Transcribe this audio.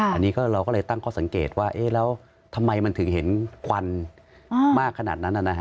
อันนี้เราก็เลยตั้งข้อสังเกตว่าแล้วทำไมมันถึงเห็นควันมากขนาดนั้น